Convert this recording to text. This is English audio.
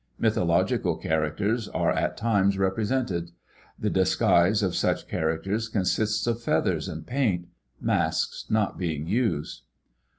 Mythological char acters are at times represented. The disguise of such characters consists of feathers and paint, masks not being used.